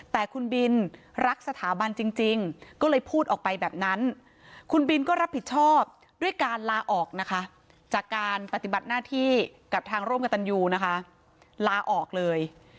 แต่คุณบินรักสถาบันจริงก็เลยพูดออกไปแบบนั้นคุณบินก็รับผิดชอบด้วยการลาออกนะคะจากการปฏิบัติหน้าที่กับทางร่วมกับตันยูนะคะลาออกเลย